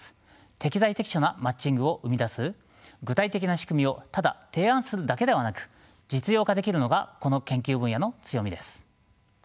適材適所なマッチングを生み出す具体的な仕組みをただ提案するだけではなく実用化できるのがこの研究分野の強みです。